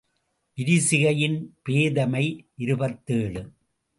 விரிசிகையின் பேதைமை இருபத்தேழு.